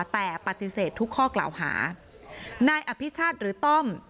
แต่ปฏิเสธทุกข้อกล่าวหานายอภิชาติหรือต้อม